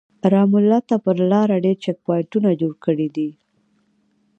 رام الله ته پر لاره ډېر چک پواینټونه جوړ کړي دي.